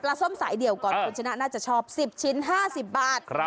ปลาส้มสายเดี่ยวกรชนะชอบหน้าจะ๑๐ชิ้น๕๐บาท